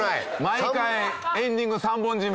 毎回エンディング三本締め。